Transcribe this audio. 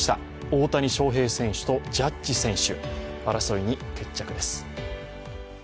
大谷翔平選手とジャッジ選手、争いに決着です。